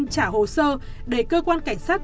trả hồ sơ để cơ quan cảnh sát